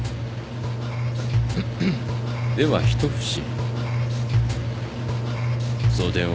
では一節。